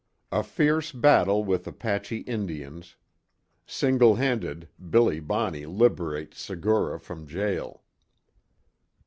A FIERCE BATTLE WITH APACHE INDIANS. SINGLE HANDED BILLY BONNEY LIBERATES SEGURA FROM JAIL.